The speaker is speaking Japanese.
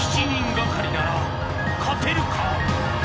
７人がかりなら勝てるか？